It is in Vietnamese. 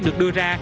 được đưa ra